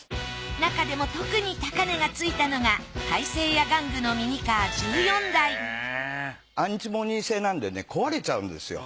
なかでも特に高値がついたのが大盛屋玩具のミニカー１４台アンチモニー製なんでね壊れちゃうんですよ。